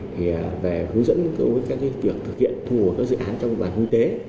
thì về hướng dẫn các việc thực hiện thu hút các dự án trong quản lý tế